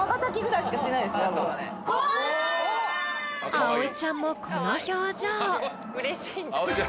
［アオイちゃんもこの表情］